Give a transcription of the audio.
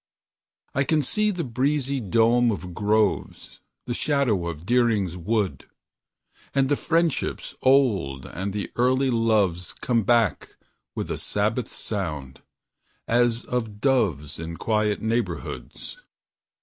I can see the breezy dome of groves, The shadows of Deering's Woods; And the friendships old and the early loves Come back with a sabbath sound, as of doves In quiet neighborhoods.